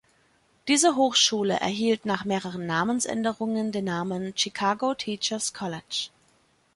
Diese Hochschule erhielt nach mehreren Namensänderungen den Namen „Chicago Teachers College“.